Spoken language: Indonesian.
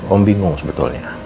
om bingung sebetulnya